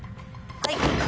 はい。